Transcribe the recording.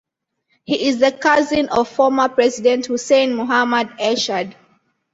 He is the cousin of former President Hussein Muhammad Ershad.